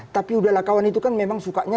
tapi udahlah kawan itu kan memang sukanya